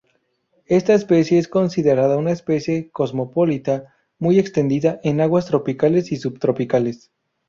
Esta especie se considera una especie cosmopolita muy extendida en aguas tropicales y subtropicales.